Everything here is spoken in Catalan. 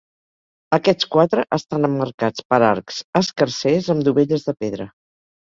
Aquests quatre estan emmarcats per arcs escarsers, amb dovelles de pedra.